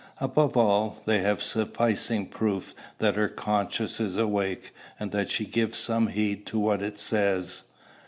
Above all, they have sufficing proof that her conscience is awake, and that she gives some heed to what it says.